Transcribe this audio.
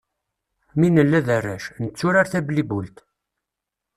Mi nella d arrac, netturar tablibult.